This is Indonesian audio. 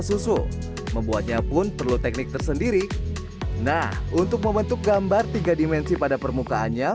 susu membuatnya pun perlu teknik tersendiri nah untuk membentuk gambar tiga dimensi pada permukaannya